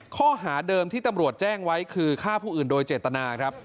ข้อหาเดิมที่ตำรวจแจ้งไว้คือฆ่าผู้อื่นโดยเจตนาครับ